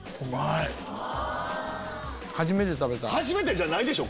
初めてじゃないでしょ？